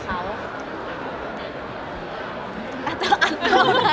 เขาว่ายังไงครับที่แบ่งจากตัวเขา